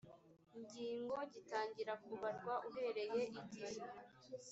ngingo gitangira kubarwa uhereye igihe